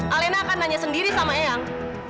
alena akan nanya sendiri sama eyang